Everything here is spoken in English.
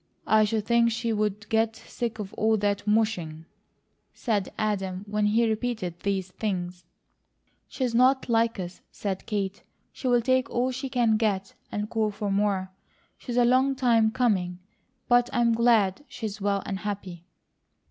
"I should think she would get sick of all that mushing," said Adam when he repeated these things. "She's not like us," said Kate. "She'll take all she can get, and call for more. She's a long time coming; but I'm glad she's well and happy."